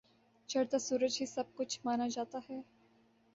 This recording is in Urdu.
چڑھتا سورج ہی سب کچھ مانا جاتا ہے۔